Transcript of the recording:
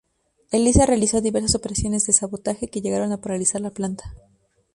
Elisa realizó diversas operaciones de sabotaje que llegaron a paralizar la planta.